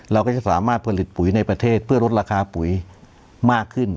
เราก็จะสามารถผลิตปุ๋ยในประเทศเพื่อลดราคาปุ๋ยมากขึ้น